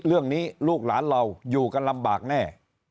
เรื่องนี้ลูกหลานเราอยู่กันลำบากแน่